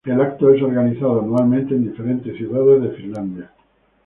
El evento es organizado anualmente en diferentes ciudades de Finlandia.